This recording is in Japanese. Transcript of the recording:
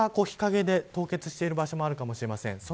日陰で凍結している場所もあるかもしれません。